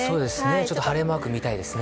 ちょっと晴れマーク見たいですね。